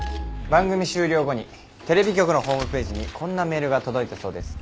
番組終了後にテレビ局のホームページにこんなメールが届いたそうです。